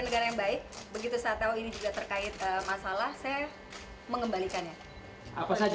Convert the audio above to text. negara yang baik begitu saya tahu ini juga terkait masalah saya mengembalikannya apa lagi